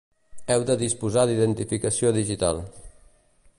Heu de disposar d'identificació digital.